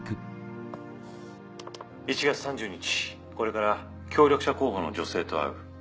１月３０日これから協力者候補の女性と会う。